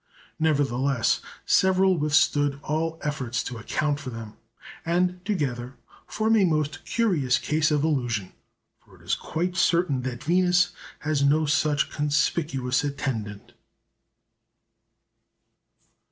Nevertheless, several withstood all efforts to account for them, and together form a most curious case of illusion. For it is quite certain that Venus has no such conspicuous attendant.